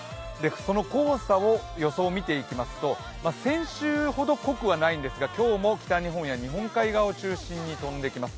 その黄砂の予想を見ていきますと先週ほど濃くはないんですが今日も北日本や東北を中心に舞ってきそうです。